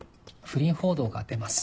不倫報道が出ます。